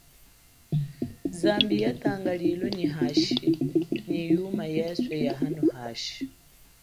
Zambi ya tanga lilo nyi hashi nyi yuma yeswe ya hano hashi.